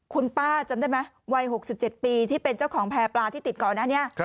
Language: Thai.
คุณป้าจำได้ไหมวัย๖๗ปีที่เป็นเจ้าของแพร่ปลาที่ติดก่อนหน้านี้